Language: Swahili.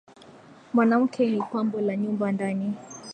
mwanamke ni pambo la nyumba ndani